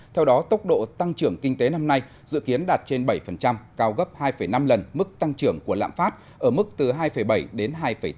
theo đó tốc độ tăng trưởng kinh tế năm nay dự kiến đạt trên bảy cao gấp hai năm lần mức tăng trưởng của lạm phát ở mức từ hai bảy đến hai tám